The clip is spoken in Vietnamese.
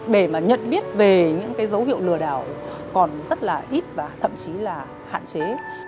để mà nhận biết về những cái dấu hiệu lừa đảo còn rất là ít và thậm chí là hạn chế